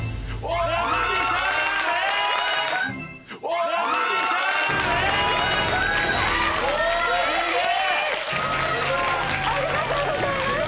ありがとうございます！